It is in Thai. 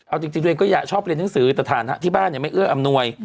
เอาจริงตัวเองก็อยากชอบเรียนหนังสือสถานะที่บ้านไม่เอื้ออำนวย